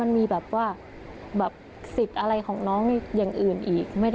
มันมีแบบว่าสิทธิ์อะไรของน้องอย่างอื่นอีก